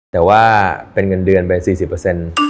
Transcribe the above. แต่ว่าเป็นเงินเดือนไป๔๐